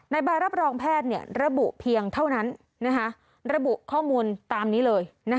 ใบรับรองแพทย์ระบุเพียงเท่านั้นระบุข้อมูลตามนี้เลย